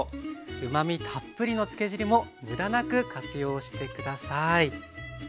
うまみたっぷりの漬け汁も無駄なく活用して下さい。